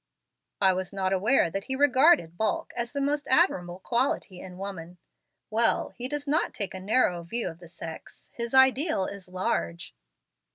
I was not aware that he regarded bulk as the most admirable quality in woman. Well, he does not take a narrow view of the sex. His ideal is large."